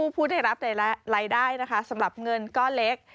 ผู้ได้รับหลายได้สำหรับเงินก็เล็ก